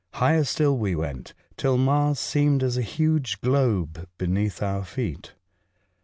Higher still we went, till Mars seemed as a huge globe beneath our feet.